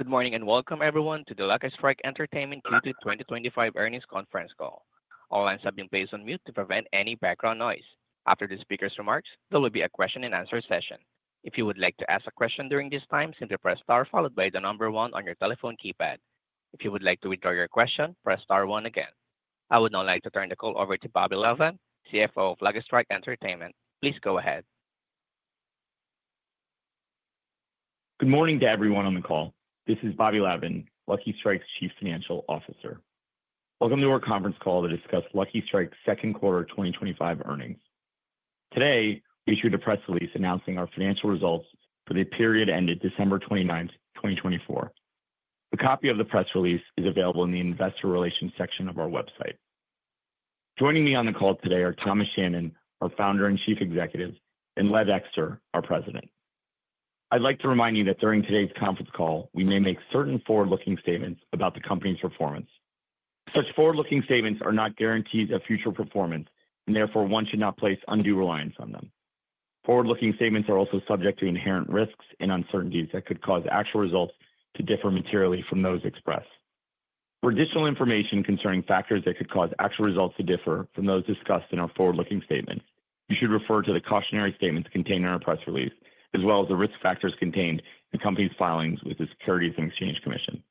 Good morning and welcome, everyone, to the Lucky Strike Entertainment Q2 2025 Earnings Conference Call. All lines have been placed on mute to prevent any background noise. After the speaker's remarks, there will be a question-and-answer session. If you would like to ask a question during this time, simply press star followed by the number one on your telephone keypad. If you would like to withdraw your question, press star one again. I would now like to turn the call over to Bobby Lavan, CFO of Lucky Strike Entertainment. Please go ahead. Good morning to everyone on the call. This is Bobby Lavan, Lucky Strike's Chief Financial Officer. Welcome to our conference call to discuss Lucky Strike's second quarter 2025 earnings. Today, we issued a press release announcing our financial results for the period ended December 29, 2024. A copy of the press release is available in the Investor Relations section of our website. Joining me on the call today are Thomas Shannon, our founder and Chief Executive, and Lev Ekster, our President. I'd like to remind you that during today's conference call, we may make certain forward-looking statements about the company's performance. Such forward-looking statements are not guarantees of future performance, and therefore one should not place undue reliance on them. Forward-looking statements are also subject to inherent risks and uncertainties that could cause actual results to differ materially from those expressed. For additional information concerning factors that could cause actual results to differ from those discussed in our forward-looking statements, you should refer to the cautionary statements contained in our press release, as well as the risk factors contained in the company's filings with the Securities and Exchange Commission.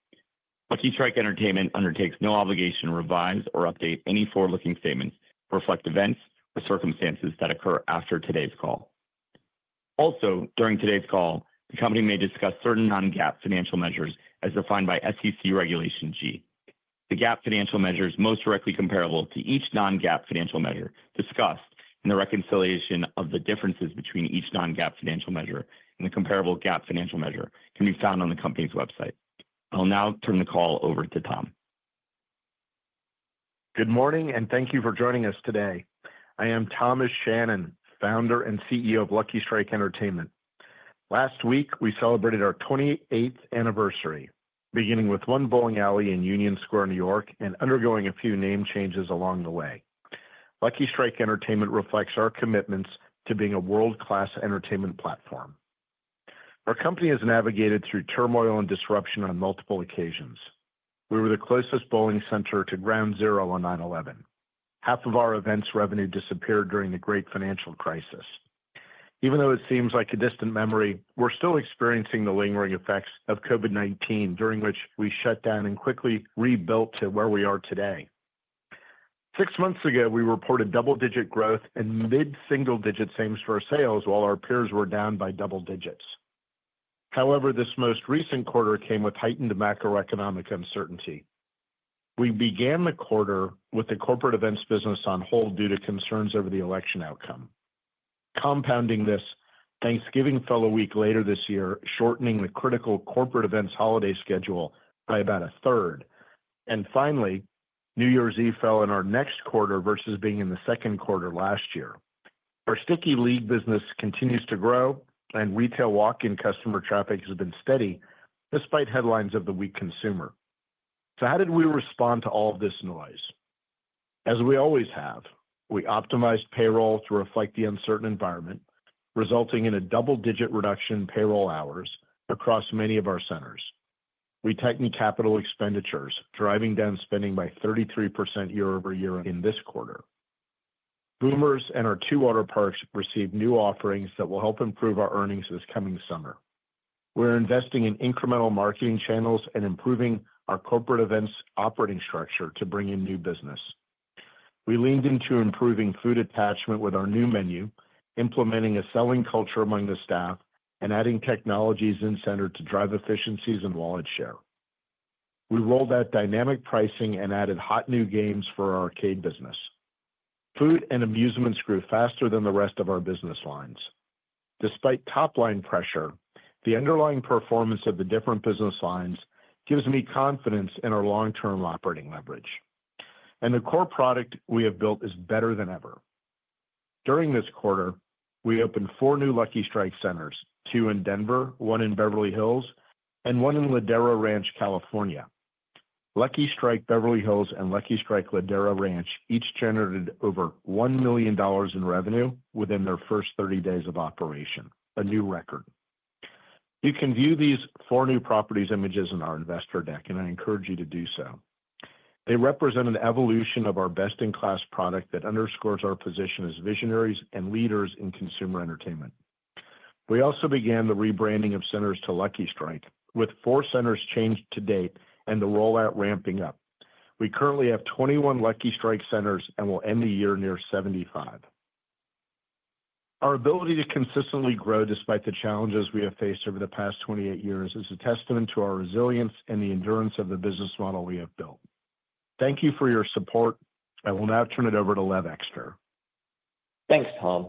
Lucky Strike Entertainment undertakes no obligation to revise or update any forward-looking statements that reflect events or circumstances that occur after today's call. Also, during today's call, the company may discuss certain non-GAAP financial measures as defined by SEC Regulation G. The GAAP financial measures most directly comparable to each non-GAAP financial measure discussed in the reconciliation of the differences between each non-GAAP financial measure and the comparable GAAP financial measure can be found on the company's website. I'll now turn the call over to Tom. Good morning, and thank you for joining us today. I am Thomas Shannon, founder and CEO of Lucky Strike Entertainment. Last week, we celebrated our 28th anniversary, beginning with one bowling alley in Union Square, New York, and undergoing a few name changes along the way. Lucky Strike Entertainment reflects our commitments to being a world-class entertainment platform. Our company has navigated through turmoil and disruption on multiple occasions. We were the closest bowling center to Ground Zero on 9/11. Half of our events' revenue disappeared during the Great Financial Crisis. Even though it seems like a distant memory, we're still experiencing the lingering effects of COVID-19, during which we shut down and quickly rebuilt to where we are today. Six months ago, we reported double-digit growth and mid-single-digit savings for our sales, while our peers were down by double digits. However, this most recent quarter came with heightened macroeconomic uncertainty. We began the quarter with the corporate events business on hold due to concerns over the election outcome. Compounding this, Thanksgiving fell a week later this year, shortening the critical corporate events holiday schedule by about a third. And finally, New Year's Eve fell in our next quarter versus being in the second quarter last year. Our sticky league business continues to grow, and retail walk-in customer traffic has been steady despite headlines of the weak consumer. So how did we respond to all of this noise? As we always have, we optimized payroll to reflect the uncertain environment, resulting in a double-digit reduction in payroll hours across many of our centers. We tightened capital expenditures, driving down spending by 33% year over year in this quarter. Boomers and our two water parks received new offerings that will help improve our earnings this coming summer. We're investing in incremental marketing channels and improving our corporate events operating structure to bring in new business. We leaned into improving food attachment with our new menu, implementing a selling culture among the staff, and adding technologies in-center to drive efficiencies and wallet share. We rolled out dynamic pricing and added hot new games for our arcade business. Food and amusements grew faster than the rest of our business lines. Despite top-line pressure, the underlying performance of the different business lines gives me confidence in our long-term operating leverage, and the core product we have built is better than ever. During this quarter, we opened four new Lucky Strike centers: two in Denver, one in Beverly Hills, and one in Ladera Ranch, California. Lucky Strike Beverly Hills and Lucky Strike Ladera Ranch each generated over $1 million in revenue within their first 30 days of operation, a new record. You can view these four new properties' images in our investor deck, and I encourage you to do so. They represent an evolution of our best-in-class product that underscores our position as visionaries and leaders in consumer entertainment. We also began the rebranding of centers to Lucky Strike, with four centers changed to date and the rollout ramping up. We currently have 21 Lucky Strike centers and will end the year near 75. Our ability to consistently grow despite the challenges we have faced over the past 28 years is a testament to our resilience and the endurance of the business model we have built. Thank you for your support. I will now turn it over to Lev Ekster. Thanks, Tom.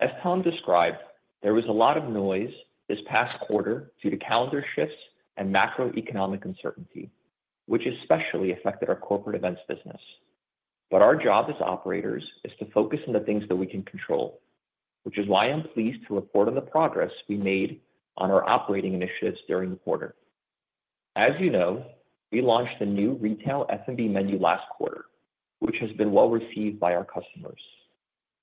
As Tom described, there was a lot of noise this past quarter due to calendar shifts and macroeconomic uncertainty, which especially affected our corporate events business. But our job as operators is to focus on the things that we can control, which is why I'm pleased to report on the progress we made on our operating initiatives during the quarter. As you know, we launched the new retail F&B menu last quarter, which has been well received by our customers.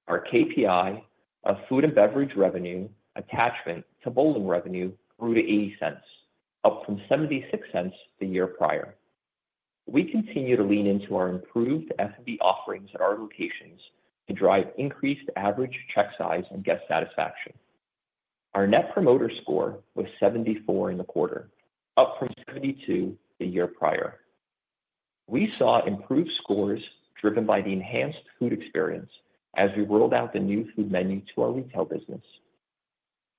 Our KPI of food and beverage revenue attachment to bowling revenue grew to $0.80, up from $0.76 the year prior. We continue to lean into our improved F&B offerings at our locations to drive increased average check size and guest satisfaction. Our net promoter score was 74 in the quarter, up from 72 the year prior. We saw improved scores driven by the enhanced food experience as we rolled out the new food menu to our retail business.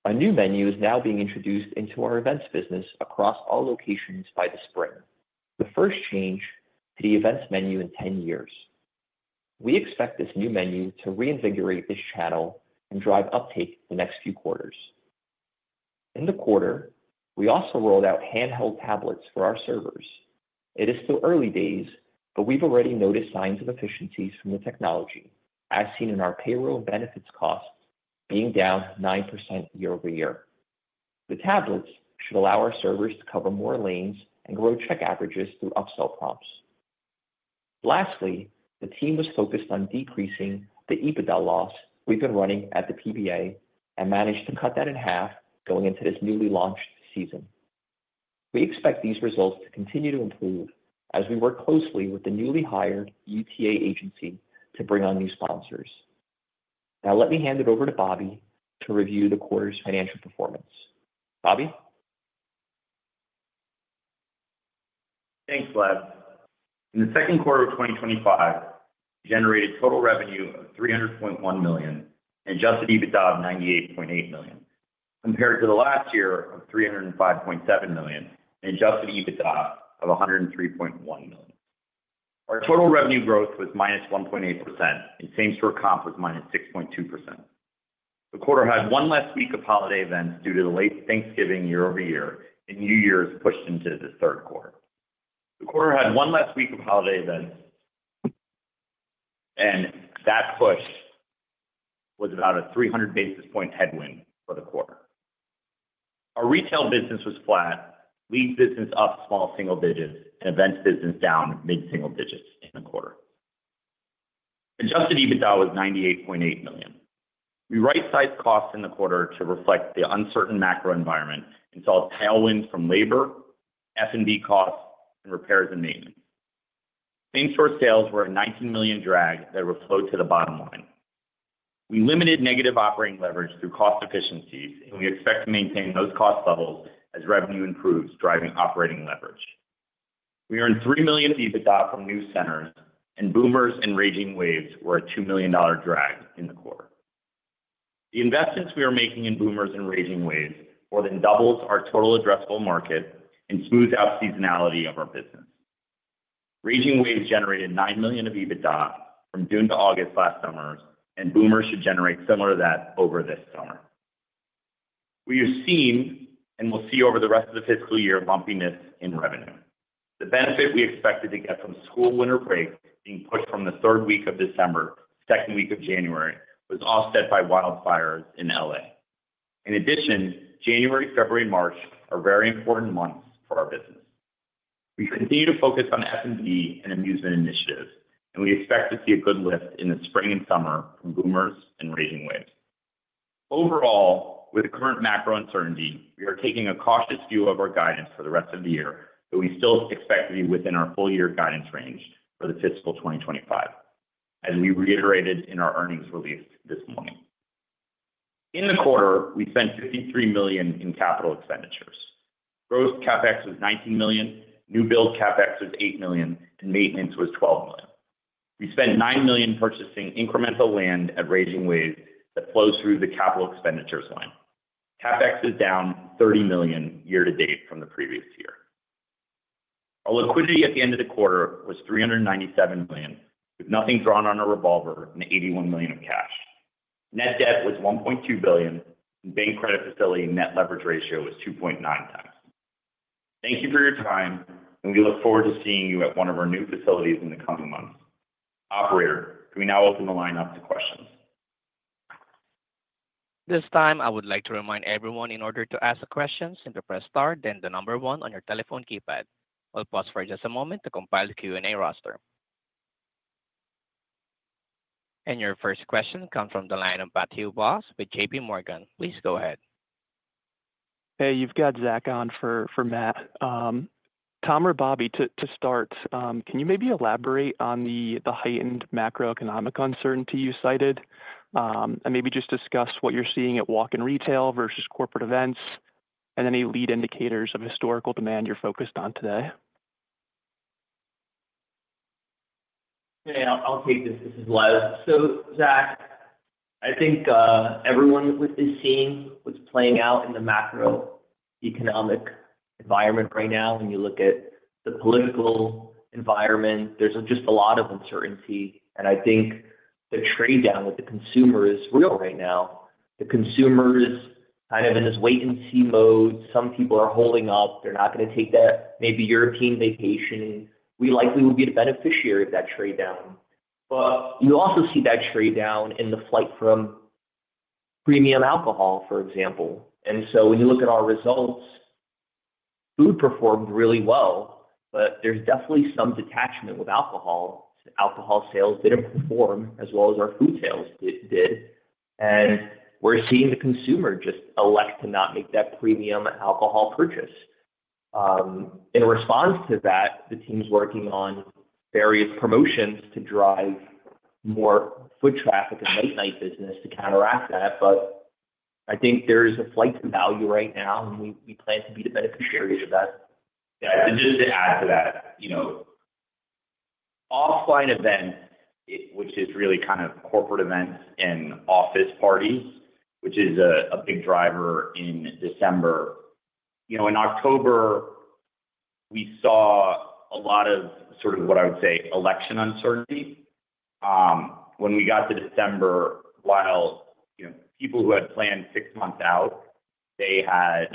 A new menu is now being introduced into our events business across all locations by the spring, the first change to the events menu in 10 years. We expect this new menu to reinvigorate this channel and drive uptake the next few quarters. In the quarter, we also rolled out handheld tablets for our servers. It is still early days, but we've already noticed signs of efficiencies from the technology, as seen in our payroll and benefits costs being down 9% year over year. The tablets should allow our servers to cover more lanes and grow check averages through upsell prompts. Lastly, the team was focused on decreasing the EBITDA loss we've been running at the PBA and managed to cut that in half going into this newly launched season. We expect these results to continue to improve as we work closely with the newly hired UTA agency to bring on new sponsors. Now, let me hand it over to Bobby to review the quarter's financial performance. Bobby? Thanks, Lev. In the second quarter of 2025, we generated total revenue of $300.1 million and adjusted EBITDA of $98.8 million, compared to the last year of $305.7 million and adjusted EBITDA of $103.1 million. Our total revenue growth was -1.8%, and same-store comp was -6.2%. The quarter had one less week of holiday events due to the late Thanksgiving year over year and New Year's pushed into the third quarter. The quarter had one less week of holiday events, and that push was about a 300 basis point headwind for the quarter. Our retail business was flat, league business up small single digits, and events business down mid-single digits in the quarter. Adjusted EBITDA was $98.8 million. We right-sized costs in the quarter to reflect the uncertain macro environment and saw a tailwind from labor, F&B costs, and repairs and maintenance. Same-store sales were a $19 million drag that would float to the bottom line. We limited negative operating leverage through cost efficiencies, and we expect to maintain those cost levels as revenue improves, driving operating leverage. We earned $3 million EBITDA from new centers, and Boomers and Raging Waves were a $2 million drag in the quarter. The investments we are making in Boomers and Raging Waves more than doubled our total addressable market and smoothed out seasonality of our business. Raging Waves generated $9 million of EBITDA from June to August last summer, and Boomers should generate similar to that over this summer. We have seen and will see over the rest of the fiscal year bumpiness in revenue. The benefit we expected to get from school winter break being pushed from the third week of December, second week of January, was offset by wildfires in LA. In addition, January, February, and March are very important months for our business. We continue to focus on F&B and amusement initiatives, and we expect to see a good lift in the spring and summer from Boomers and Raging Waves. Overall, with the current macro uncertainty, we are taking a cautious view of our guidance for the rest of the year, but we still expect to be within our full-year guidance range for the fiscal 2025, as we reiterated in our earnings release this morning. In the quarter, we spent $53 million in capital expenditures. Gross CapEx was $19 million, new build CapEx was $8 million, and maintenance was $12 million. We spent $9 million purchasing incremental land at Raging Waves that flows through the capital expenditures line. CapEx is down $30 million year to date from the previous year. Our liquidity at the end of the quarter was $397 million, with nothing drawn on a revolver and $81 million of cash. Net debt was $1.2 billion, and bank credit facility net leverage ratio was 2.9x. Thank you for your time, and we look forward to seeing you at one of our new facilities in the coming months. Operator, can we now open the line up to questions? This time, I would like to remind everyone, in order to ask a question, to press Star, then the number one on your telephone keypad. I'll pause for just a moment to compile the Q&A roster. And your first question comes from the line of Matthew Boss with JPMorgan. Please go ahead. Hey, you've got Zach on for Matt. Tom or Bobby, to start, can you maybe elaborate on the heightened macroeconomic uncertainty you cited and maybe just discuss what you're seeing at walk-in retail versus corporate events and any lead indicators of historical demand you're focused on today? Hey, I'll take this. This is Lev. So, Zach, I think everyone is seeing what's playing out in the macroeconomic environment right now. When you look at the political environment, there's just a lot of uncertainty. And I think the trade down with the consumer is real right now. The consumer is kind of in this wait-and-see mode. Some people are holding up. They're not going to take that maybe European vacation. We likely will be the beneficiary of that trade down. But you also see that trade down in the flight from premium alcohol, for example. And so when you look at our results, food performed really well, but there's definitely some detachment with alcohol. Alcohol sales didn't perform as well as our food sales did. And we're seeing the consumer just elect to not make that premium alcohol purchase. In response to that, the team's working on various promotions to drive more foot traffic and late-night business to counteract that. But I think there is a flight to value right now, and we plan to be the beneficiary of that. Just to add to that, offline events, which is really kind of corporate events and office parties, which is a big driver in December. In October, we saw a lot of sort of what I would say election uncertainty. When we got to December, while people who had planned six months out, they had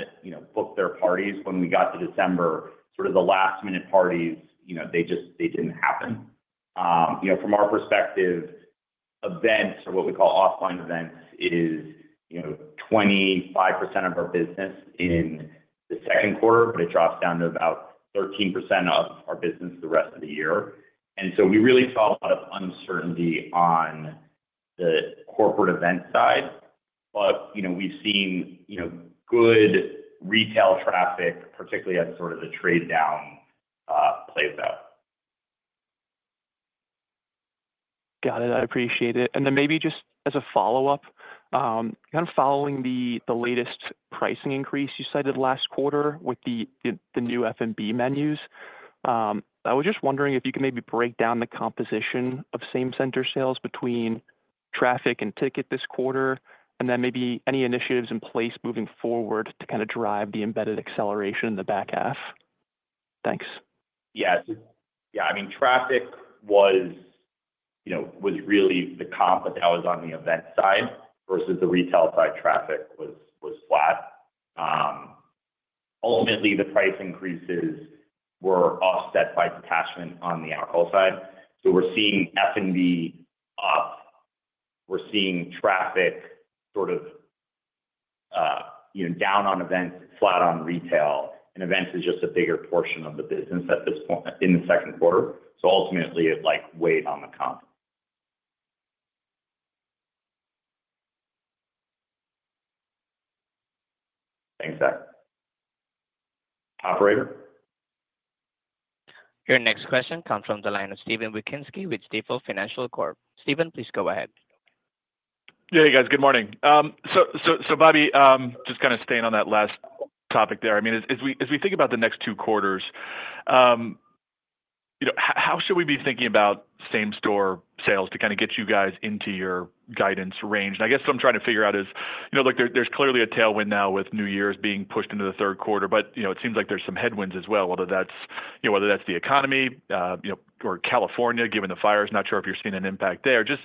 booked their parties. When we got to December, sort of the last-minute parties, they didn't happen. From our perspective, events, or what we call offline events, is 25% of our business in the second quarter, but it drops down to about 13% of our business the rest of the year, and so we really saw a lot of uncertainty on the corporate event side, but we've seen good retail traffic, particularly as sort of the trade down plays out. Got it. I appreciate it. And then maybe just as a follow-up, kind of following the latest pricing increase you cited last quarter with the new F&B menus, I was just wondering if you could maybe break down the composition of same-center sales between traffic and ticket this quarter, and then maybe any initiatives in place moving forward to kind of drive the embedded acceleration in the back half. Thanks. Yes. Yeah, I mean, traffic was really the comp that was on the event side versus the retail side. Traffic was flat. Ultimately, the price increases were offset by detachment on the alcohol side. So we're seeing F&B up. We're seeing traffic sort of down on events, flat on retail. And events is just a bigger portion of the business at this point in the second quarter. So ultimately, it weighed on the comp. Thanks, Zach. Operator? Your next question comes from the line of Steven Wieczynski with Stifel Financial Corp. Steven, please go ahead. Yeah, hey, guys. Good morning. So Bobby, just kind of staying on that last topic there, I mean, as we think about the next two quarters, how should we be thinking about same-store sales to kind of get you guys into your guidance range? And I guess what I'm trying to figure out is there's clearly a tailwind now with New Year's being pushed into the third quarter, but it seems like there's some headwinds as well, whether that's the economy or California, given the fires. Not sure if you're seeing an impact there. Just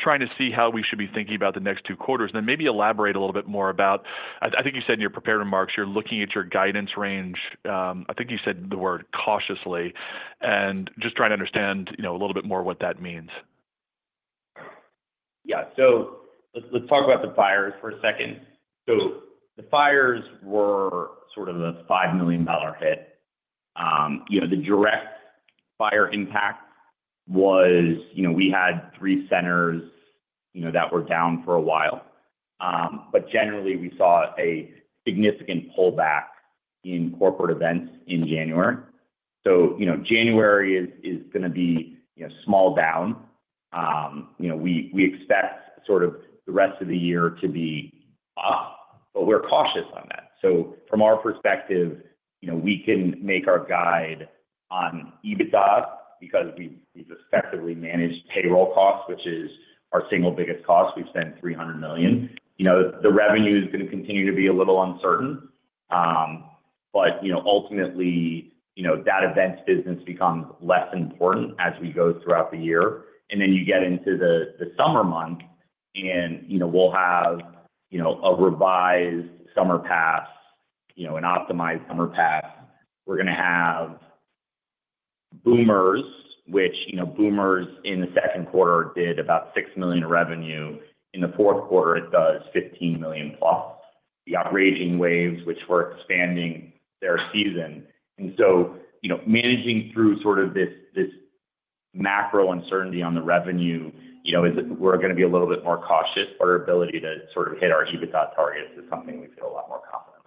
trying to see how we should be thinking about the next two quarters. And then maybe elaborate a little bit more about, I think you said in your prepared remarks, you're looking at your guidance range. I think you said the word cautiously and just trying to understand a little bit more what that means. Yeah. So let's talk about the fires for a second. So the fires were sort of a $5 million hit. The direct fire impact was we had three centers that were down for a while. But generally, we saw a significant pullback in corporate events in January. So January is going to be small down. We expect sort of the rest of the year to be up, but we're cautious on that. So from our perspective, we can make our guidance on EBITDA because we've effectively managed payroll costs, which is our single biggest cost. We've spent $300 million. The revenue is going to continue to be a little uncertain. But ultimately, that events business becomes less important as we go throughout the year. And then you get into the summer months, and we'll have a revised summer pass, an optimized summer pass. We're going to have Boomers, which Boomers in the second quarter did about $6 million of revenue. In the fourth quarter, it does $15 million plus. The Raging Waves, which were expanding their season. And so managing through sort of this macro uncertainty on the revenue, we're going to be a little bit more cautious, but our ability to sort of hit our EBITDA targets is something we feel a lot more confident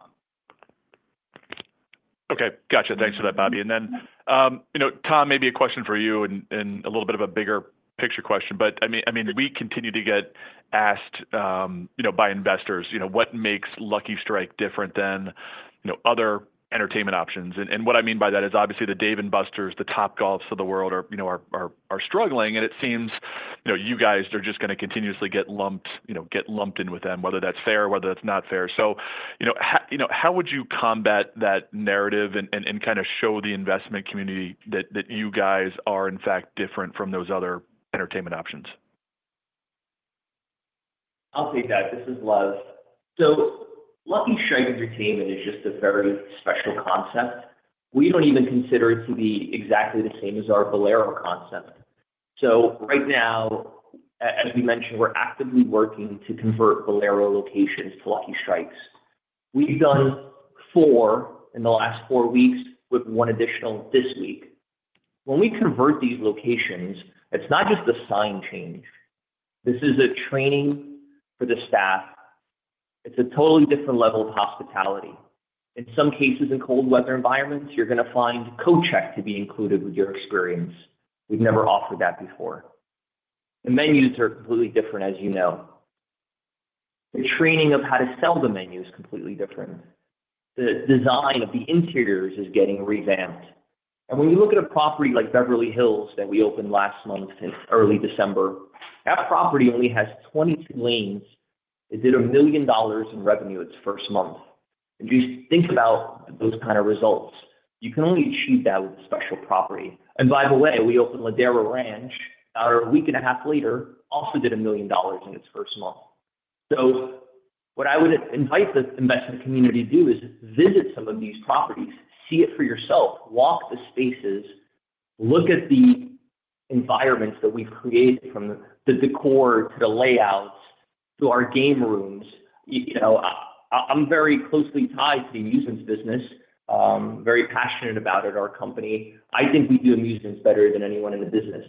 on. Okay. Gotcha. Thanks for that, Bobby. And then, Tom, maybe a question for you and a little bit of a bigger picture question. But I mean, we continue to get asked by investors, what makes Lucky Strike different than other entertainment options? And what I mean by that is obviously the Dave & Buster's, the Topgolfs of the world are struggling, and it seems you guys are just going to continuously get lumped in with them, whether that's fair, whether that's not fair. So how would you combat that narrative and kind of show the investment community that you guys are, in fact, different from those other entertainment options? I'll take that. This is Lev. So Lucky Strike Entertainment is just a very special concept. We don't even consider it to be exactly the same as our Bowlero concept. So right now, as we mentioned, we're actively working to convert Bowlero locations to Lucky Strikes. We've done four in the last four weeks with one additional this week. When we convert these locations, it's not just a sign change. This is a training for the staff. It's a totally different level of hospitality. In some cases, in cold weather environments, you're going to find a coat check to be included with your experience. We've never offered that before. The menus are completely different, as you know. The training of how to sell the menu is completely different. The design of the interiors is getting revamped. When you look at a property like Beverly Hills that we opened last month in early December, that property only has 22 lanes. It did $1 million in revenue its first month. And just think about those kind of results. You can only achieve that with a special property. And by the way, we opened Ladera Ranch a week and a half later, also did $1 million in its first month. So what I would invite the investment community to do is visit some of these properties, see it for yourself, walk the spaces, look at the environments that we've created from the decor to the layouts to our game rooms. I'm very closely tied to the amusements business, very passionate about it, our company. I think we do amusements better than anyone in the business.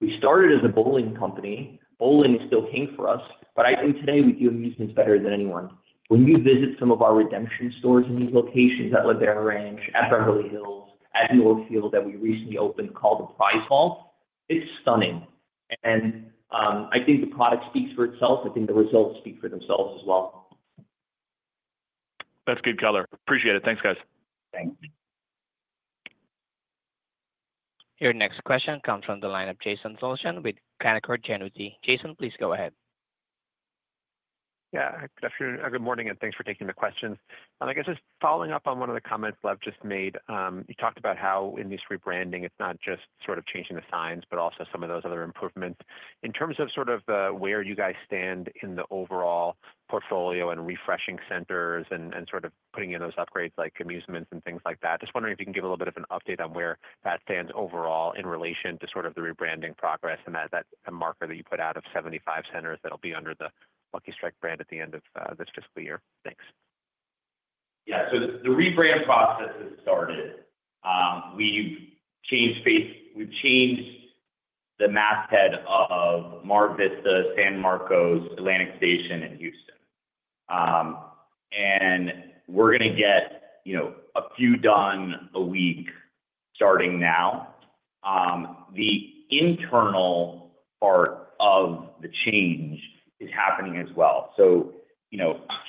We started as a bowling company. Bowling is still king for us, but I think today we do amusements better than anyone. When you visit some of our redemption stores in these locations at Ladera Ranch, at Beverly Hills, at Northfield that we recently opened called the Prize Hall, it's stunning, and I think the product speaks for itself. I think the results speak for themselves as well. That's good color. Appreciate it. Thanks, guys. Thanks. Your next question comes from the line of Jason Tilchen with Canaccord Genuity. Jason, please go ahead. Yeah. Good afternoon. Good morning, and thanks for taking the questions. I guess just following up on one of the comments Lev just made, you talked about how in this rebranding, it's not just sort of changing the signs, but also some of those other improvements. In terms of sort of where you guys stand in the overall portfolio and refreshing centers and sort of putting in those upgrades like amusements and things like that, just wondering if you can give a little bit of an update on where that stands overall in relation to sort of the rebranding progress and that marker that you put out of 75 centers that'll be under the Lucky Strike brand at the end of this fiscal year. Thanks. Yeah. So the rebrand process has started. We've changed the name at Mar Vista, San Marcos, Atlantic Station, and Houston. And we're going to get a few done a week starting now. The internal part of the change is happening as well. So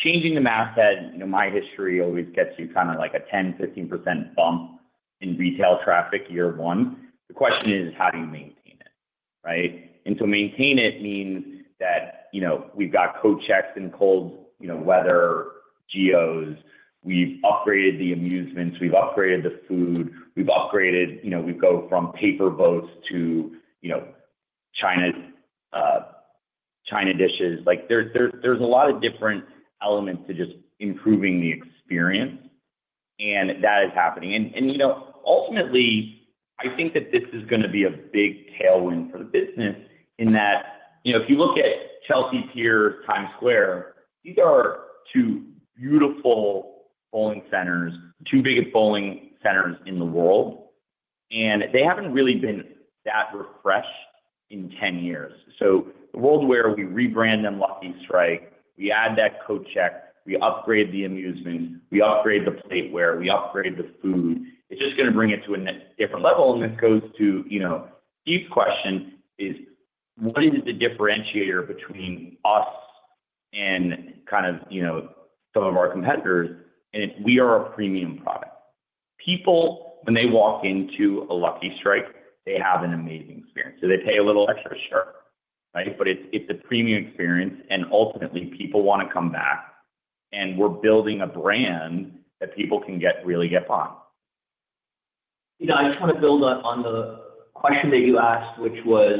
changing the name at. My history always gets you kind of like a 10%-15% bump in retail traffic year one. The question is, how do you maintain it? Right? And to maintain it means that we've got coat checks in cold weather geos. We've upgraded the amusements. We've upgraded the food. We've upgraded. We go from paper boats to china dishes. There's a lot of different elements to just improving the experience, and that is happening. Ultimately, I think that this is going to be a big tailwind for the business in that if you look at Chelsea Piers, Times Square, these are two beautiful bowling centers, two biggest bowling centers in the world, and they haven't really been that refreshed in 10 years. In the world where we rebrand them Lucky Strike, we add that coat check, we upgrade the amusements, we upgrade the plateware, we upgrade the food. It's just going to bring it to a different level. This goes to Steve's question, which is what is the differentiator between us and kind of some of our competitors. We are a premium product. People, when they walk into a Lucky Strike, they have an amazing experience. So they pay a little extra, sure, right? But it's a premium experience, and ultimately, people want to come back, and we're building a brand that people can really get by. I just want to build on the question that you asked, which was,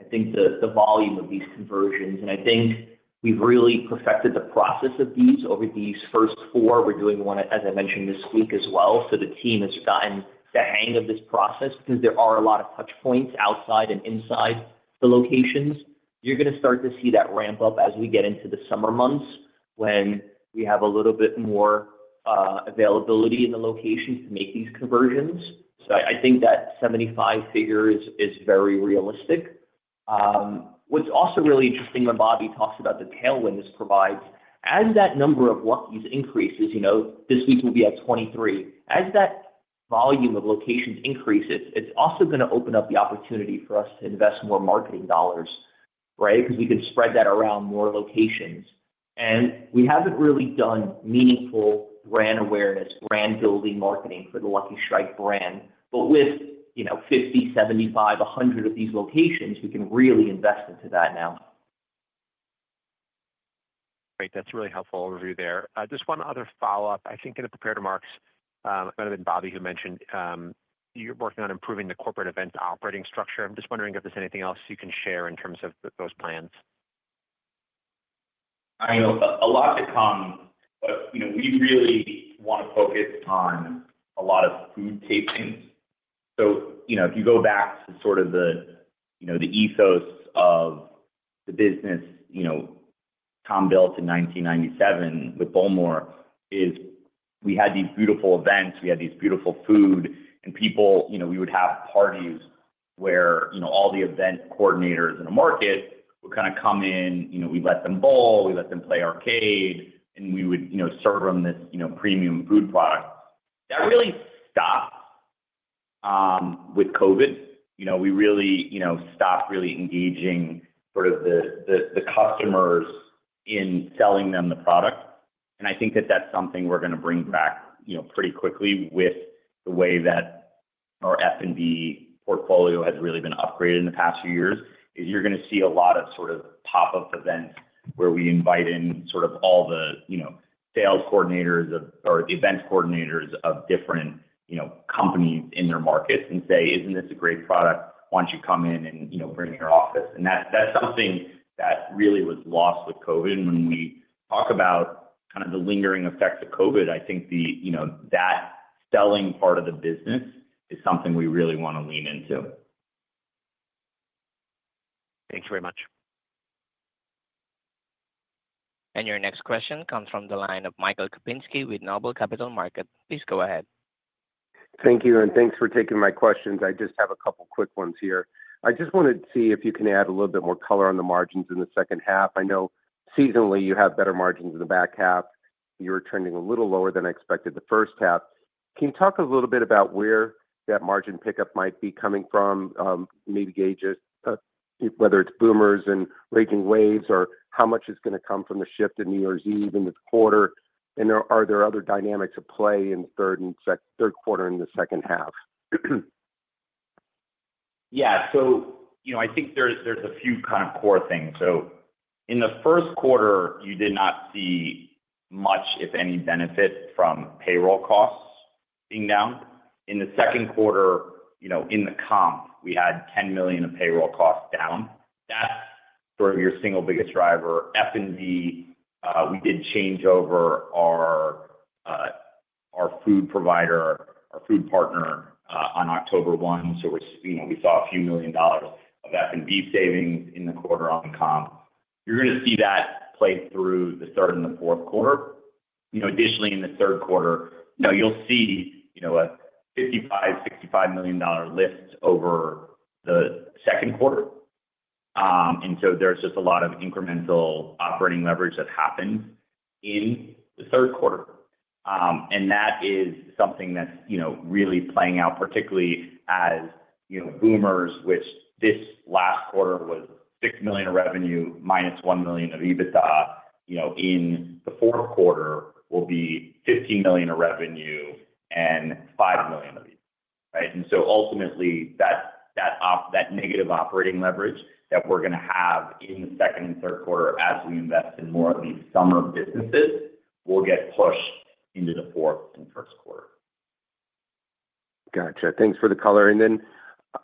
I think, the volume of these conversions. And I think we've really perfected the process of these over these first four. We're doing one, as I mentioned, this week as well. So the team has gotten the hang of this process because there are a lot of touchpoints outside and inside the locations. You're going to start to see that ramp up as we get into the summer months when we have a little bit more availability in the locations to make these conversions. So I think that 75 figure is very realistic. What's also really interesting when Bobby talks about the tailwind this provides, as that number of Lucky's increases, this week we'll be at 23. As that volume of locations increases, it's also going to open up the opportunity for us to invest more marketing dollars, right, because we can spread that around more locations. And we haven't really done meaningful brand awareness, brand-building marketing for the Lucky Strike brand. But with 50, 75, 100 of these locations, we can really invest into that now. Great. That's really helpful overview there. Just one other follow-up. I think in the prepared remarks, it might have been Bobby who mentioned you're working on improving the corporate event operating structure. I'm just wondering if there's anything else you can share in terms of those plans. I know a lot to come, but we really want to focus on a lot of food tastings. So if you go back to sort of the ethos of the business Tom built in 1997 with Bowlmor, is we had these beautiful events. We had these beautiful food, and people, we would have parties where all the event coordinators in a market would kind of come in. We let them bowl. We let them play arcade, and we would serve them this premium food product. That really stopped with COVID. We really stopped really engaging sort of the customers in selling them the product. I think that that's something we're going to bring back pretty quickly with the way that our F&B portfolio has really been upgraded in the past few years, is you're going to see a lot of sort of pop-up events where we invite in sort of all the sales coordinators or the event coordinators of different companies in their markets and say, "Isn't this a great product? Why don't you come in and bring your office?" That's something that really was lost with COVID. When we talk about kind of the lingering effects of COVID, I think that selling part of the business is something we really want to lean into. Thank you very much. And your next question comes from the line of Michael Kupinski with Noble Capital Markets. Please go ahead. Thank you. And thanks for taking my questions. I just have a couple of quick ones here. I just wanted to see if you can add a little bit more color on the margins in the second half. I know seasonally you have better margins in the back half. You were trending a little lower than I expected the first half. Can you talk a little bit about where that margin pickup might be coming from? Maybe gauge it, whether it's Boomers and Raging Waves, or how much is going to come from the shift in New Year's Eve into the quarter? And are there other dynamics at play in the third quarter and the second half? Yeah. So I think there's a few kind of core things. So in the first quarter, you did not see much, if any, benefit from payroll costs being down. In the second quarter, in the comp, we had $10 million of payroll costs down. That's sort of your single biggest driver. F&B, we did change over our food partner on October 1. So we saw a few million dollars of F&B savings in the quarter on the comp. You're going to see that play through the third and the fourth quarter. Additionally, in the third quarter, you'll see a $55 million-$65 million lift over the second quarter. And so there's just a lot of incremental operating leverage that happened in the third quarter. And that is something that's really playing out, particularly as Boomers, which this last quarter was $6 million of revenue minus $1 million of EBITDA. In the fourth quarter, we'll be $15 million of revenue and $5 million of EBITDA, right? And so ultimately, that negative operating leverage that we're going to have in the second and third quarter as we invest in more of these summer businesses will get pushed into the fourth and first quarter. Gotcha. Thanks for the color. And then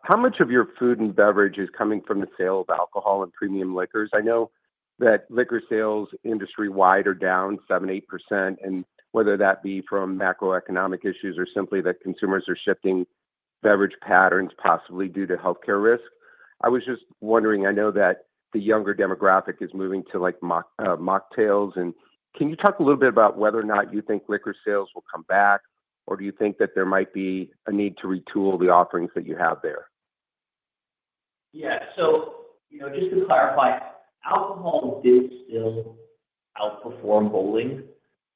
how much of your food and beverage is coming from the sales of alcohol and premium liquors? I know that liquor sales industry-wide are down 7%-8%, and whether that be from macroeconomic issues or simply that consumers are shifting beverage patterns possibly due to healthcare risk. I was just wondering. I know that the younger demographic is moving to mocktails. And can you talk a little bit about whether or not you think liquor sales will come back, or do you think that there might be a need to retool the offerings that you have there? Yeah. So just to clarify, alcohol did still outperform bowling,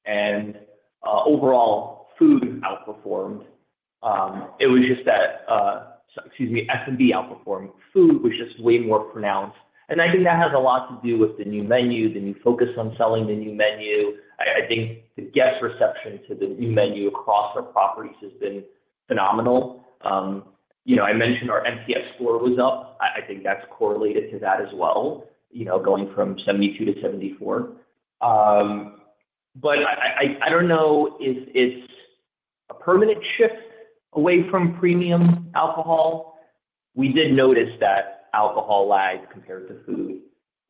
and overall, food outperformed. It was just that, excuse me, F&B outperformed. Food was just way more pronounced. And I think that has a lot to do with the new menu, the new focus on selling the new menu. I think the guest reception to the new menu across our properties has been phenomenal. I mentioned our NPS score was up. I think that's correlated to that as well, going from 72 to 74. But I don't know if it's a permanent shift away from premium alcohol. We did notice that alcohol lagged compared to food.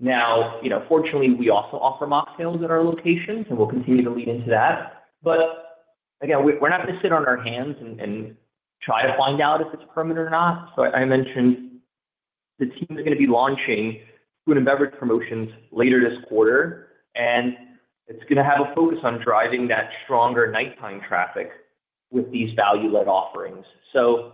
Now, fortunately, we also offer mocktails at our locations, and we'll continue to lean into that. But again, we're not going to sit on our hands and try to find out if it's permanent or not. So I mentioned the team is going to be launching food and beverage promotions later this quarter, and it's going to have a focus on driving that stronger nighttime traffic with these value-led offerings. So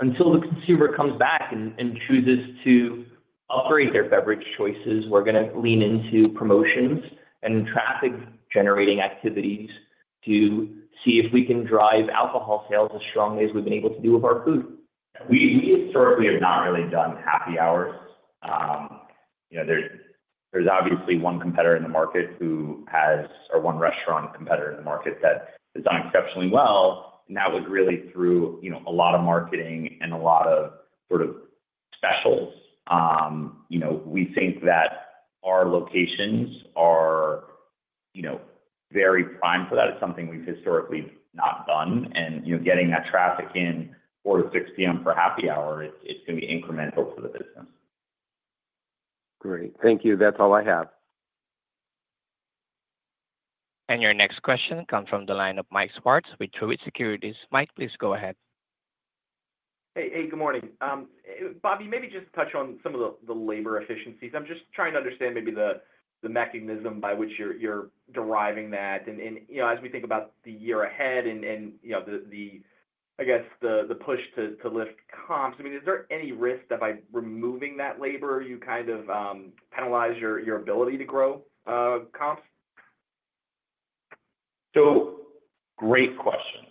until the consumer comes back and chooses to upgrade their beverage choices, we're going to lean into promotions and traffic-generating activities to see if we can drive alcohol sales as strongly as we've been able to do with our food. We historically have not really done happy hours. There's obviously one competitor in the market who has or one restaurant competitor in the market that has done exceptionally well, and that was really through a lot of marketing and a lot of sort of specials. We think that our locations are very primed for that. It's something we've historically not done, and getting that traffic in 4:00 P.M. to 6:00 P.M. for happy hour, it's going to be incremental to the business. Great. Thank you. That's all I have. Your next question comes from the line of Mike Swartz with Truist Securities. Mike, please go ahead. Hey, good morning. Bobby, maybe just touch on some of the labor efficiencies. I'm just trying to understand maybe the mechanism by which you're deriving that. And as we think about the year ahead and, I guess, the push to lift comps, I mean, is there any risk that by removing that labor, you kind of penalize your ability to grow comps? So great question.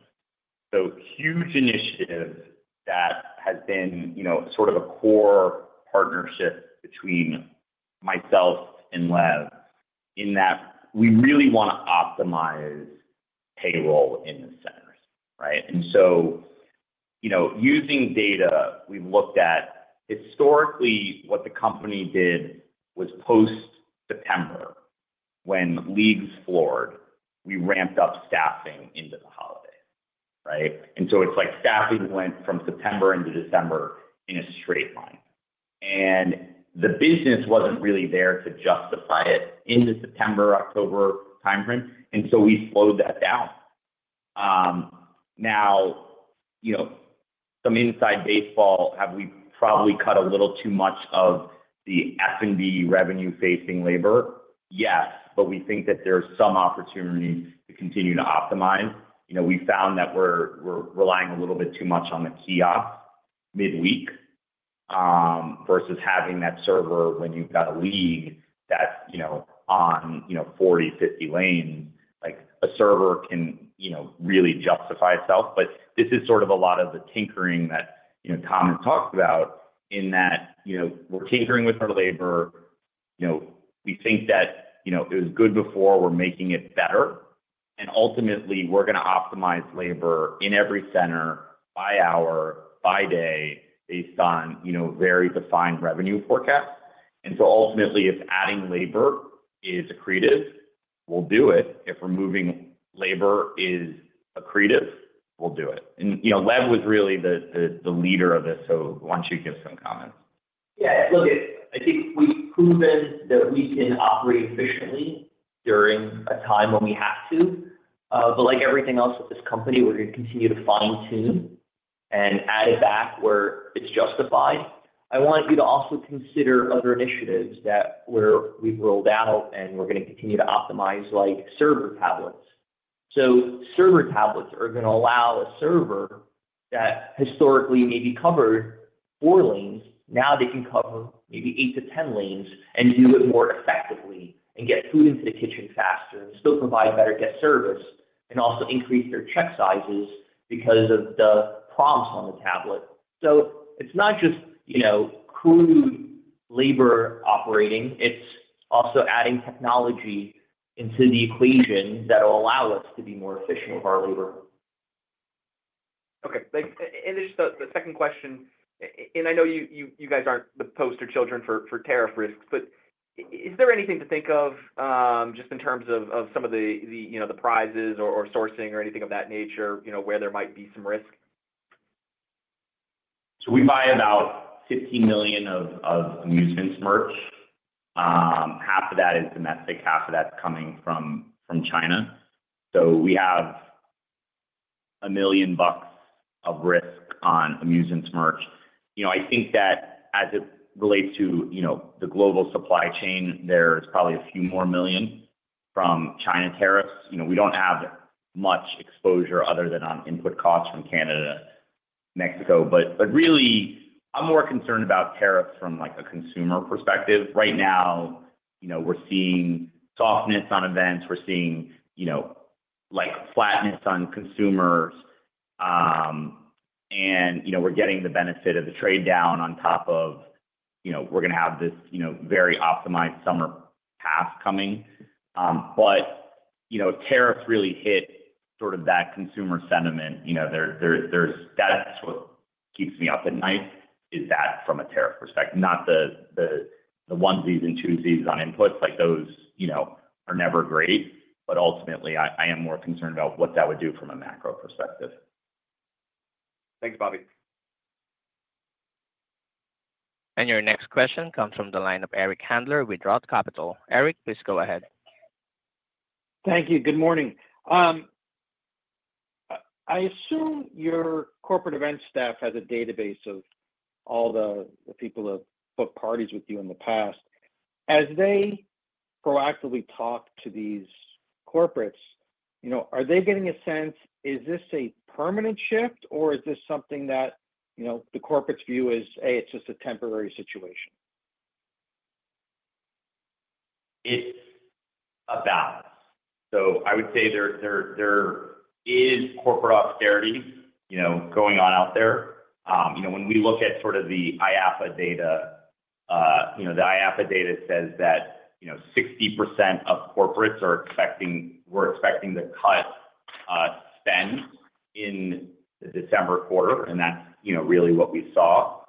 So huge initiative that has been sort of a core partnership between myself and Lev in that we really want to optimize payroll in the centers, right? And so using data, we've looked at historically what the company did was post-September when leagues floored, we ramped up staffing into the holidays, right? And so it's like staffing went from September into December in a straight line. And the business wasn't really there to justify it in the September-October timeframe. And so we slowed that down. Now, some inside baseball, have we probably cut a little too much of the F&B revenue-facing labor? Yes, but we think that there's some opportunity to continue to optimize. We found that we're relying a little bit too much on the kiosk midweek versus having that server when you've got a league that's on 40-50 lanes. A server can really justify itself. But this is sort of a lot of the tinkering that Tom has talked about in that we're tinkering with our labor. We think that it was good before. We're making it better. And ultimately, we're going to optimize labor in every center by hour, by day, based on very defined revenue forecasts. And so ultimately, if adding labor is accretive, we'll do it. If removing labor is accretive, we'll do it. And Lev was really the leader of this. So why don't you give some comments? Yeah. Look, I think we've proven that we can operate efficiently during a time when we have to. But like everything else at this company, we're going to continue to fine-tune and add it back where it's justified. I want you to also consider other initiatives that we've rolled out, and we're going to continue to optimize server tablets. So server tablets are going to allow a server that historically maybe covered four lanes. Now they can cover maybe eight to 10 lanes and do it more effectively and get food into the kitchen faster and still provide better guest service and also increase their check sizes because of the prompts on the tablet. So it's not just crude labor operating. It's also adding technology into the equation that will allow us to be more efficient with our labor. Okay, and just the second question, and I know you guys aren't the poster children for tariff risks, but is there anything to think of just in terms of some of the prizes or sourcing or anything of that nature where there might be some risk? So we buy about $15 million of amusements merch. Half of that is domestic. Half of that's coming from China. So we have $1 million of risk on amusements merch. I think that as it relates to the global supply chain, there's probably a few more million from China tariffs. We don't have much exposure other than on input costs from Canada, Mexico. But really, I'm more concerned about tariffs from a consumer perspective. Right now, we're seeing softness on events. We're seeing flatness on consumers. And we're getting the benefit of the trade down on top of we're going to have this very optimized summer pass coming. But tariffs really hit sort of that consumer sentiment. That's what keeps me up at night, is that from a tariff perspective. Not the onesies and twosies on inputs. Those are never great. But ultimately, I am more concerned about what that would do from a macro perspective. Thanks, Bobby. Your next question comes from the line of Eric Handler with Roth Capital. Eric, please go ahead. Thank you. Good morning. I assume your corporate events staff has a database of all the people who have booked parties with you in the past. As they proactively talk to these corporates, are they getting a sense is this a permanent shift, or is this something that the corporates view as, hey, it's just a temporary situation? It's a balance. So I would say there is corporate austerity going on out there. When we look at sort of the IAAPA data, the IAAPA data says that 60% of corporates were expecting to cut spend in the December quarter, and that's really what we saw.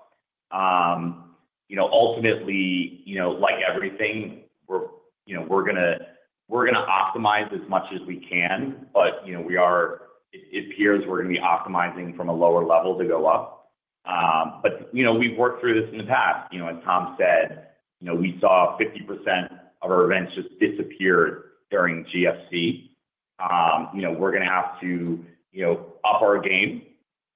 Ultimately, like everything, we're going to optimize as much as we can, but it appears we're going to be optimizing from a lower level to go up. But we've worked through this in the past. As Tom said, we saw 50% of our events just disappear during GFC. We're going to have to up our game.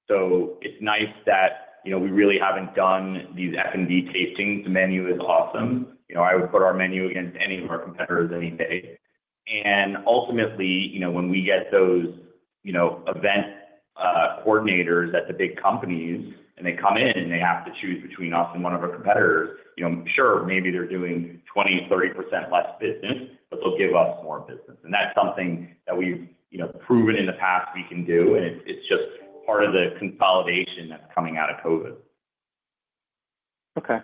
So it's nice that we really haven't done these F&B tastings. The menu is awesome. I would put our menu against any of our competitors any day. Ultimately, when we get those event coordinators at the big companies and they come in and they have to choose between us and one of our competitors, sure, maybe they're doing 20%-30% less business, but they'll give us more business. That's something that we've proven in the past we can do, and it's just part of the consolidation that's coming out of COVID. Okay,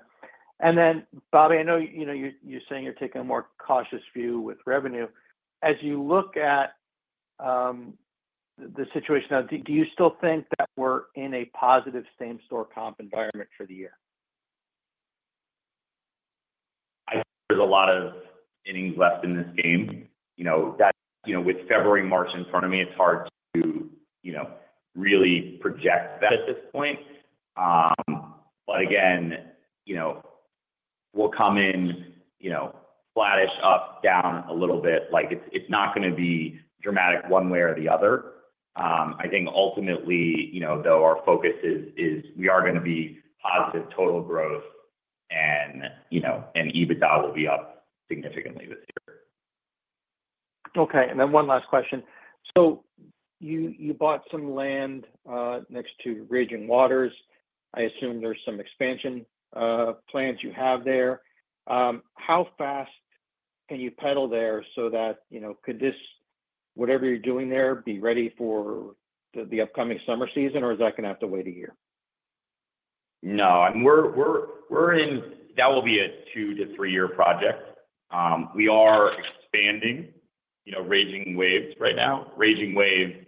and then, Bobby, I know you're saying you're taking a more cautious view with revenue. As you look at the situation now, do you still think that we're in a positive same-store comp environment for the year? I think there's a lot of innings left in this game. With February, March in front of me, it's hard to really project that at this point. But again, we'll come in flattish up, down a little bit. It's not going to be dramatic one way or the other. I think ultimately, though, our focus is we are going to be positive total growth, and EBITDA will be up significantly this year. Okay. And then one last question. So you bought some land next to Raging Waves. I assume there's some expansion plans you have there. How fast can you build there so that could this, whatever you're doing there, be ready for the upcoming summer season, or is that going to have to wait a year? No. That will be a two- to three-year project. We are expanding Raging Waves right now. Raging Waves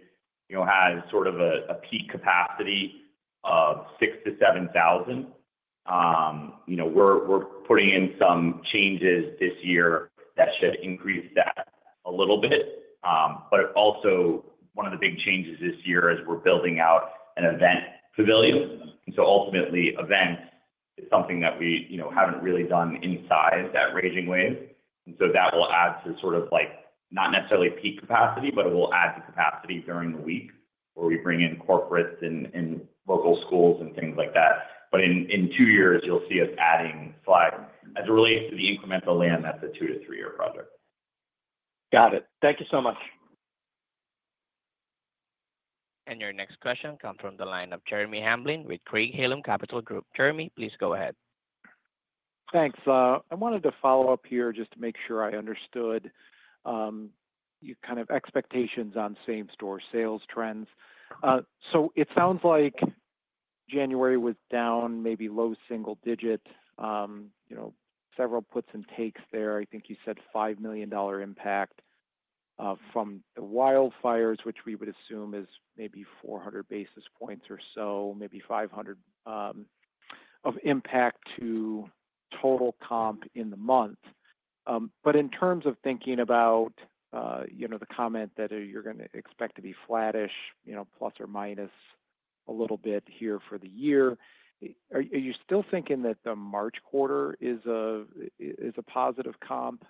has sort of a peak capacity of 6,000 to 7,000. We're putting in some changes this year that should increase that a little bit, but also, one of the big changes this year is we're building out an event pavilion, and so ultimately, events is something that we haven't really done inside that Raging Waves, and so that will add to sort of not necessarily peak capacity, but it will add to capacity during the week where we bring in corporates and local schools and things like that, but in two years, you'll see us adding flags. As it relates to the incremental land, that's a two- to three-year project. Got it. Thank you so much. Your next question comes from the line of Jeremy Hamblin with Craig-Hallum Capital Group. Jeremy, please go ahead. Thanks. I wanted to follow up here just to make sure I understood your kind of expectations on same-store sales trends. So it sounds like January was down, maybe low single digit, several puts and takes there. I think you said $5 million impact from the wildfires, which we would assume is maybe 400 basis points or so, maybe 500 of impact to total comp in the month. But in terms of thinking about the comment that you're going to expect to be flattish, plus or minus a little bit here for the year, are you still thinking that the March quarter is a positive comp?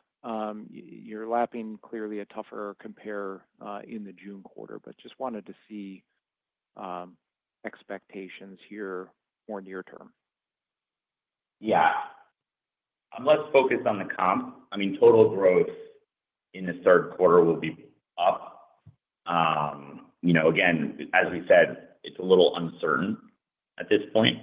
You're lapping clearly a tougher compare in the June quarter, but just wanted to see expectations here for near term. Yeah. I'm less focused on the comp. I mean, total growth in the third quarter will be up. Again, as we said, it's a little uncertain at this point.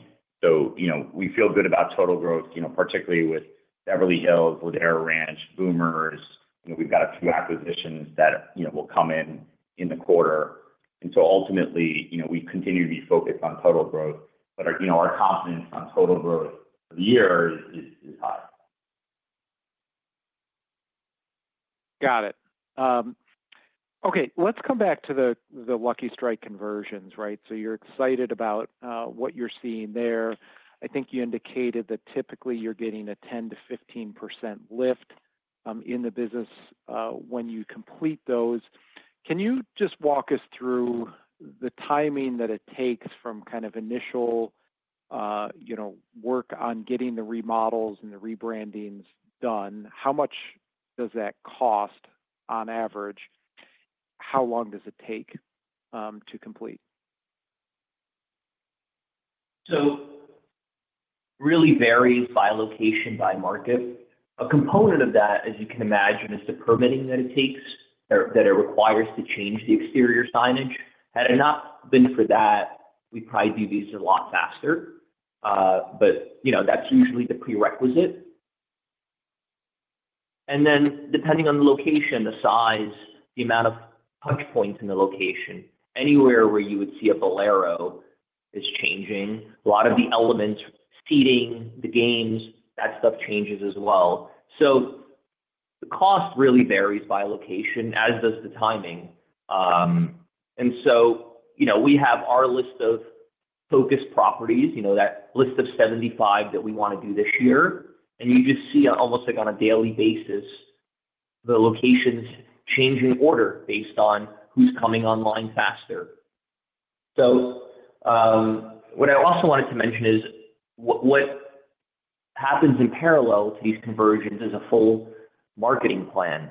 So we feel good about total growth, particularly with Beverly Hills, Ladera Ranch, Boomers. We've got a few acquisitions that will come in in the quarter. And so ultimately, we continue to be focused on total growth, but our confidence on total growth for the year is high. Got it. Okay. Let's come back to the Lucky Strike conversions, right? So you're excited about what you're seeing there. I think you indicated that typically you're getting a 10%-15% lift in the business when you complete those. Can you just walk us through the timing that it takes from kind of initial work on getting the remodels and the rebrandings done? How much does that cost on average? How long does it take to complete? So it really varies by location, by market. A component of that, as you can imagine, is the permitting that it takes or that it requires to change the exterior signage. Had it not been for that, we'd probably do these a lot faster. But that's usually the prerequisite. And then depending on the location, the size, the amount of touch points in the location, anywhere where you would see a Bowlero is changing. A lot of the elements, seating, the games, that stuff changes as well. So the cost really varies by location, as does the timing. And so we have our list of focus properties, that list of 75 that we want to do this year. And you just see almost on a daily basis the locations changing order based on who's coming online faster. So what I also wanted to mention is what happens in parallel to these conversions is a full marketing plan.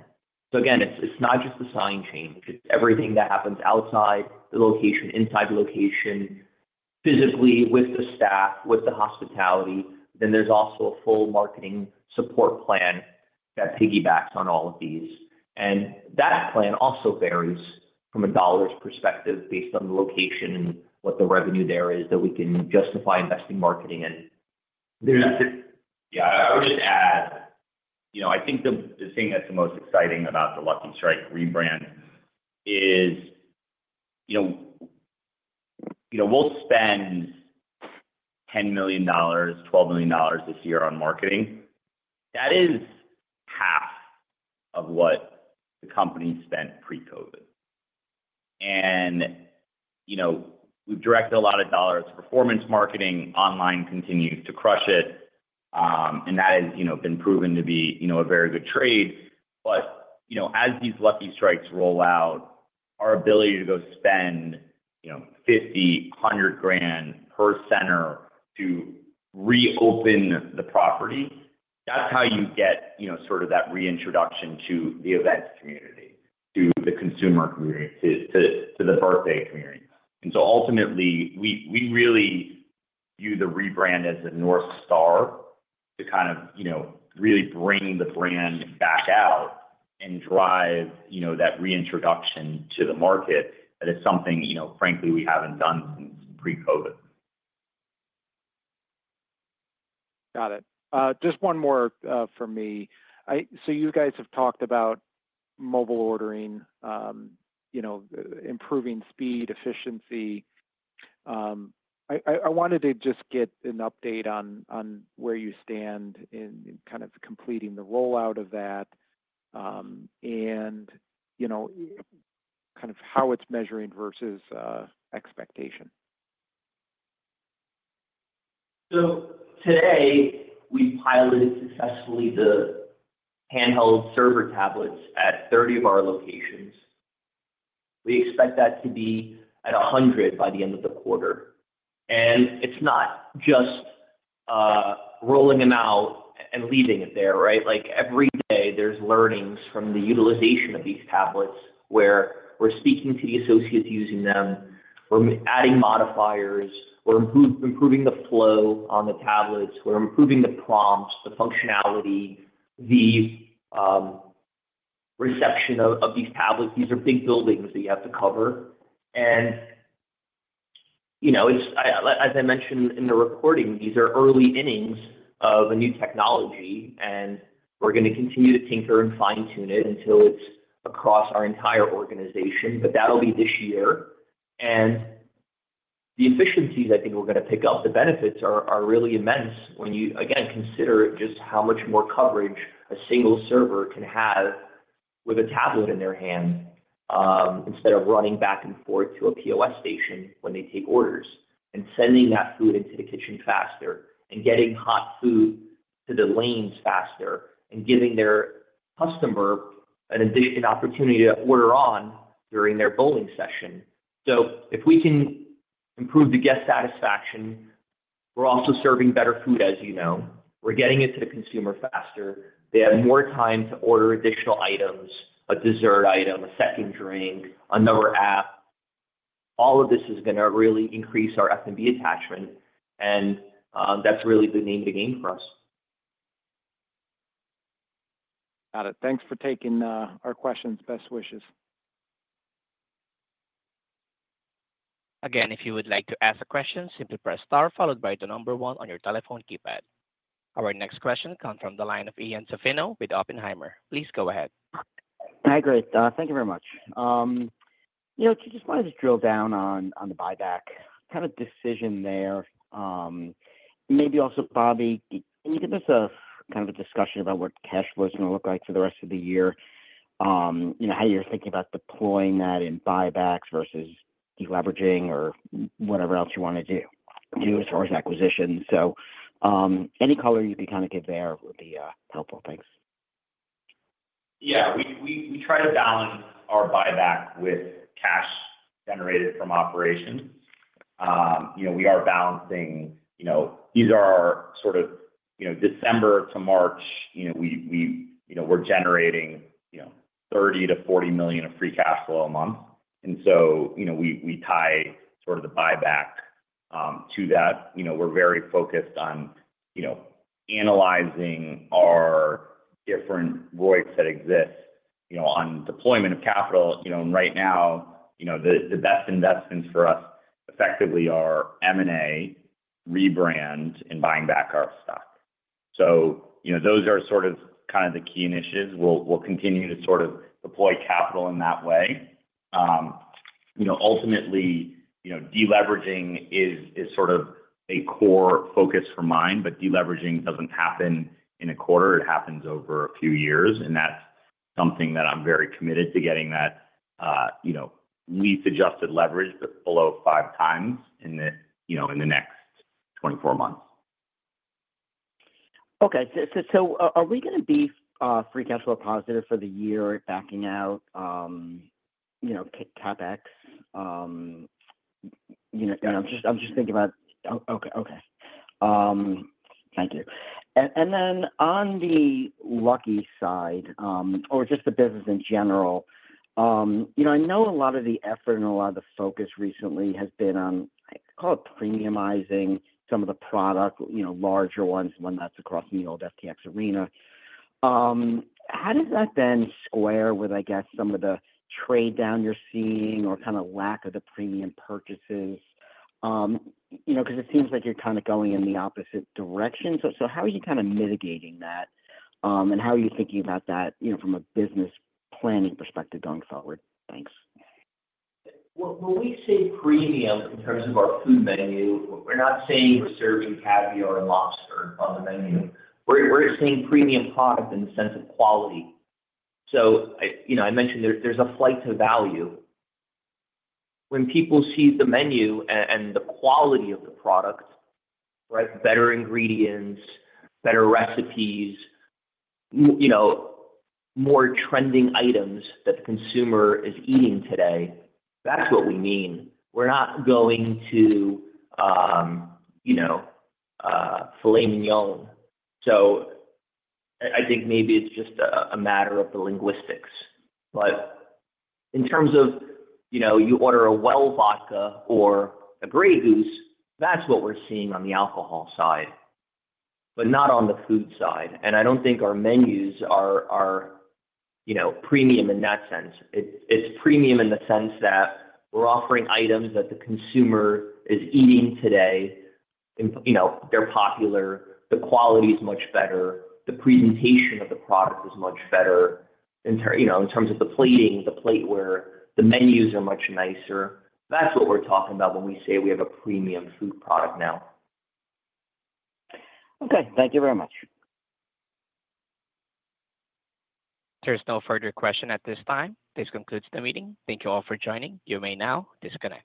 So again, it's not just the sign change. It's everything that happens outside the location, inside the location, physically with the staff, with the hospitality. Then there's also a full marketing support plan that piggybacks on all of these. And that plan also varies from a dollars perspective based on the location and what the revenue there is that we can justify investing marketing in. Yeah. I would just add, I think the thing that's the most exciting about the Lucky Strike rebrand is we'll spend $10 million-$12 million this year on marketing. That is half of what the company spent pre-COVID. And we've directed a lot of dollars to performance marketing. Online continues to crush it. And that has been proven to be a very good trade. But as these Lucky Strikes roll out, our ability to go spend 50-100 grand per center to reopen the property, that's how you get sort of that reintroduction to the events community, to the consumer community, to the birthday community. And so ultimately, we really view the rebrand as a North Star to kind of really bring the brand back out and drive that reintroduction to the market. And it's something, frankly, we haven't done since pre-COVID. Got it. Just one more from me. So you guys have talked about mobile ordering, improving speed, efficiency. I wanted to just get an update on where you stand in kind of completing the rollout of that and kind of how it's measuring versus expectation. So today, we piloted successfully the handheld server tablets at 30 of our locations. We expect that to be at 100 by the end of the quarter. And it's not just rolling them out and leaving it there, right? Every day, there's learnings from the utilization of these tablets where we're speaking to the associates using them. We're adding modifiers. We're improving the flow on the tablets. We're improving the prompts, the functionality, the reception of these tablets. These are big buildings that you have to cover. And as I mentioned in the recording, these are early innings of a new technology. And we're going to continue to tinker and fine-tune it until it's across our entire organization. But that'll be this year. And the efficiencies, I think, we're going to pick up. The benefits are really immense when you, again, consider just how much more coverage a single server can have with a tablet in their hand instead of running back and forth to a POS station when they take orders and sending that food into the kitchen faster and getting hot food to the lanes faster and giving their customer an opportunity to order on during their bowling session. So if we can improve the guest satisfaction, we're also serving better food, as you know. We're getting it to the consumer faster. They have more time to order additional items, a dessert item, a second drink, another app. All of this is going to really increase our F&B attachment. And that's really the name of the game for us. Got it. Thanks for taking our questions. Best wishes. Again, if you would like to ask a question, simply press star followed by the number one on your telephone keypad. Our next question comes from the line of Ian Zaffino with Oppenheimer. Please go ahead. Hi, Grace. Thank you very much. I just wanted to drill down on the buyback kind of decision there. Maybe also, Bobby, can you give us kind of a discussion about what cash flow is going to look like for the rest of the year, how you're thinking about deploying that in buybacks versus leveraging or whatever else you want to do as far as acquisitions? So any color you could kind of give there would be helpful. Thanks. Yeah. We try to balance our buyback with cash generated from operations. We are balancing. These are our sort of December to March. We're generating $30 million-$40 million of free cash flow a month. And so we tie sort of the buyback to that. We're very focused on analyzing our different voids that exist on deployment of capital. And right now, the best investments for us effectively are M&A, rebrand, and buying back our stock. So those are sort of kind of the key initiatives. We'll continue to sort of deploy capital in that way. Ultimately, deleveraging is sort of a core focus for mine. But deleveraging doesn't happen in a quarter. It happens over a few years. And that's something that I'm very committed to getting that net adjusted leverage below five times in the next 24 months. Okay. So are we going to be free cash flow positive for the year backing out CapEx? I'm just thinking about okay. Okay. Thank you. And then on the Lucky side or just the business in general, I know a lot of the effort and a lot of the focus recently has been on, I call it premiumizing, some of the product, larger ones when that's across the old FEC arena. How does that then square with, I guess, some of the trade down you're seeing or kind of lack of the premium purchases? Because it seems like you're kind of going in the opposite direction. So how are you kind of mitigating that? And how are you thinking about that from a business planning perspective going forward? Thanks. When we say premium in terms of our food menu, we're not saying we're serving caviar and lobster on the menu. We're saying premium product in the sense of quality. So I mentioned there's a flight to value. When people see the menu and the quality of the product, right, better ingredients, better recipes, more trending items that the consumer is eating today, that's what we mean. We're not going to filet mignon. So I think maybe it's just a matter of the linguistics. But in terms of you order a well vodka or a Grey Goose, that's what we're seeing on the alcohol side, but not on the food side. And I don't think our menus are premium in that sense. It's premium in the sense that we're offering items that the consumer is eating today. They're popular. The quality is much better. The presentation of the product is much better. In terms of the plating, the plates where the menus are much nicer. That's what we're talking about when we say we have a premium food product now. Okay. Thank you very much. There's no further question at this time. This concludes the meeting. Thank you all for joining. You may now disconnect.